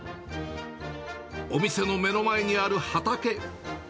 お店の目の前にある畑。